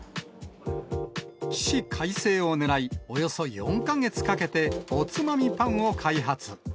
起死回生をねらい、およそ４か月かけて、おつまみパンを開発。